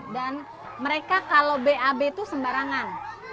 dan mereka kalau bab itu sembarangan